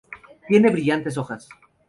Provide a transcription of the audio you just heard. Tiene brillantes hojas.